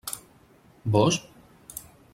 Vós?